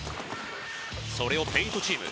それをペイントチーム。